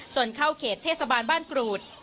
เข้าเขตเทศบาลบ้านกรูด